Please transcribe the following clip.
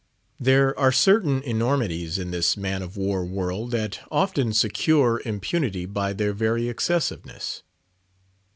There are certain enormities in this man of war world that often secure impunity by their very excessiveness.